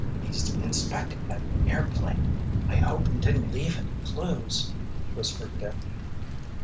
"He's inspecting that airplane—I hope we didn't leave any clues!" whispered Dick.